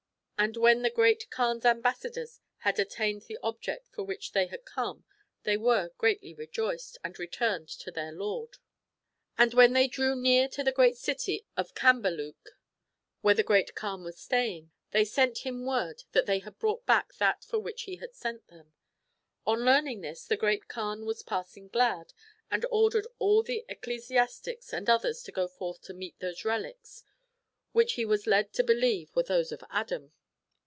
And when the Great Kaan's ambassadors had attained the object for which they had come they were greatly rejoiced, and returned to their lord. 26o MARCO POLO. Boon III. And when they drew near to the great city of Cambaluc where the Great Kaan was staying, they sent him word that they had brought back that for which he had sent them. On learning this the Great Kaan was passing glad, and ordered all the ecclesiastics and others to go forth to meet these reliques, which he was led to believe were those of Adam.